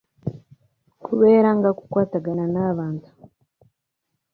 Kubeera nga kukwatagana n’abantu.